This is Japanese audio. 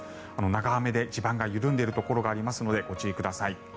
長雨で地盤が緩んでいるところがありますのでご注意ください。